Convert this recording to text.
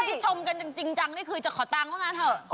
คุณคิดชมกันจริงได้คือจะขอตังค์แล้วนะเถอะ